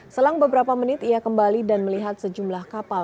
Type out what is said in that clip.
selang beberapa menit ia kembali dan melihat sejumlah kapal